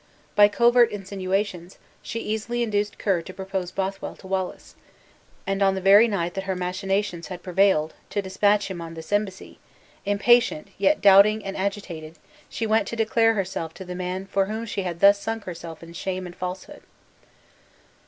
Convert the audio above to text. By covert insinuations, she easily induced Ker to propose Bothwell to Wallace, and, on the very night that her machinations had prevailed, to dispatch him on this embassy; impatient, yet doubting and agitated, she went to declare herself to the man for whom she had thus sunk herself in shame and falsehood.